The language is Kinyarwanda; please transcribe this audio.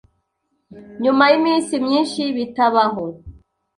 nyuma y’iminsi myinshi. bitabaho